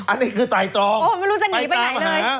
อันนี้คือไตรตรองไปตามหา